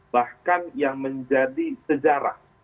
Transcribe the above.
bahkan yang menjadi sejarah